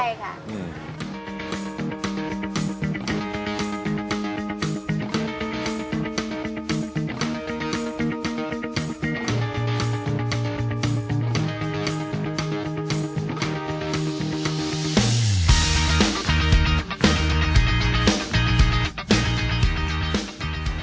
ใช่ค่ะ